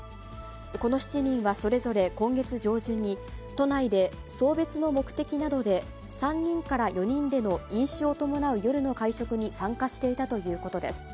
この７人はそれぞれ今月上旬に、都内で送別の目的などで３人から４人での飲酒を伴う夜の会食に参加していたということです。